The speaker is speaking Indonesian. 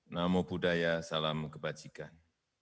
namo buddhaya salam kebajikan